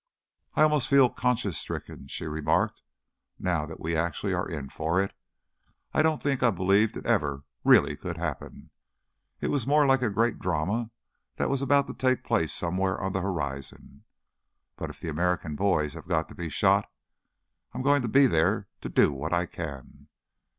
"I almost feel conscience stricken," she remarked, "now that we actually are in for it. I don't think I believed it ever really could happen. It was more like a great drama that was about to take place somewhere on the horizon. But if the American boys have to be shot, I'm going to be there to do what I can."